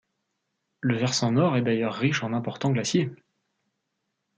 Le versant nord est d'ailleurs riche en importants glaciers.